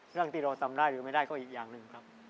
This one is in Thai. เรื่องที่เราจำได้หรือไม่ได้ก็อีกอย่างหนึ่งครับ